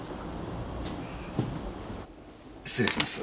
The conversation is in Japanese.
失礼します。